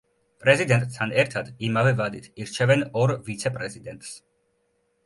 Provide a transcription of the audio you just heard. პრეზიდენტთან ერთად, იმავე ვადით, ირჩევენ ორ ვიცე-პრეზიდენტს.